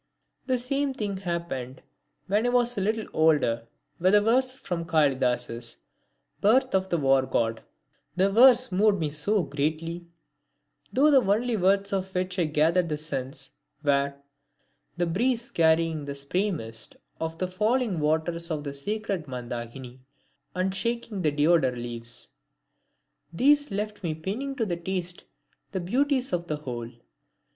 The same thing happened, when I was a little older, with a verse from Kalidas's "Birth of the War God." The verse moved me greatly, though the only words of which I gathered the sense, were "the breeze carrying the spray mist of the falling waters of the sacred Mandakini and shaking the deodar leaves." These left me pining to taste the beauties of the whole.